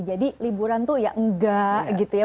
jadi liburan tuh ya enggak gitu ya